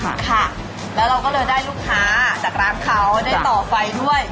ค่ะแล้วเราก็เลยได้ลูกค้าจากร้านเขาได้ต่อไฟด้วย